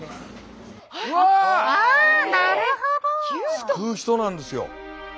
救う人なんですよ。